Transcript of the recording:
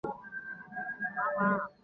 乌牛栏之役。